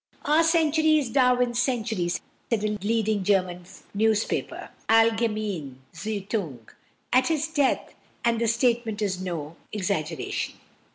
"Our century is Darwin's century," said a leading German newspaper (Allgemeine Zeitung) at his death, and the statement is no exaggeration.